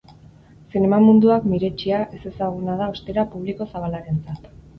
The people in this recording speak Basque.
Zinema munduak miretsia, ezezaguna da ostera publiko zabalarentzat.